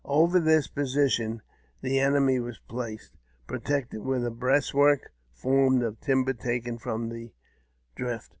Over this position the enemy was placed, protected with a breast work formed of timber taken from the drift.